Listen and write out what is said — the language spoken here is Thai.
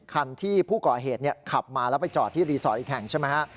คันที่ผู้ก่อเหตุขับมาแล้วไปจอดที่รีสอร์ทอีกแห่งใช่ไหมฮะ